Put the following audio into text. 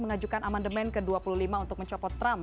mengajukan amandemen ke dua puluh lima untuk mencopot trump